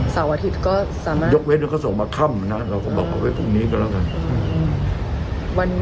สาวอาทิตย์ก็สามารถยกเวทย์ก็ส่งมาค่ำนะเราก็บอกว่าเวทย์พรุ่งนี้ก็แล้วกัน